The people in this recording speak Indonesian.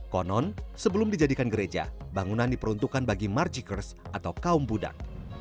konon sebelum dijadikan gereja bangunan diperuntukkan bagi marjikers atau kaum budak